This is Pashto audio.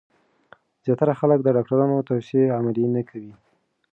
زیاتره خلک د ډاکټرانو توصیه عملي نه کوي.